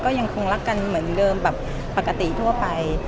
ก็ยังคงรักกันเหมือนเดิมแบบปกติทั่วไป